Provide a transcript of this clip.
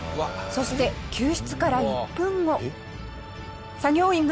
そして救出から１分後。